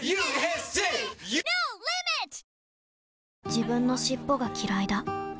自分の尻尾がきらいだ